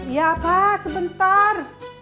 iya pak sebentar